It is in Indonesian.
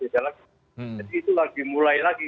jadi itu lagi mulai lagi